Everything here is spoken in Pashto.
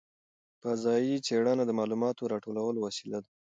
فضايي څېړنه د معلوماتو راټولولو وسیله ده.